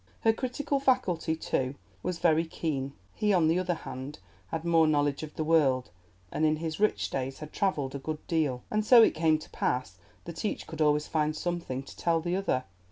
Her critical faculty, too, was very keen. He, on the other hand, had more knowledge of the world, and in his rich days had travelled a good deal, and so it came to pass that each could always find something to tell the other.